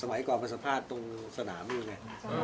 สมัยก่อนประสบภาษณ์ตรงสนามอยู่ไง